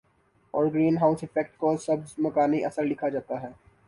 اور greenhouse effect کو سبز مکانی اثر لکھا کرتے تھے